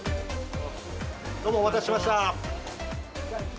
どうもお待たせしました。